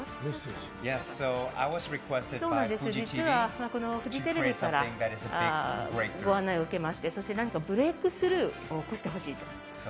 そうなんです、実はフジテレビからご案内を受けまして何かブレークスルーを起こしてほしいと。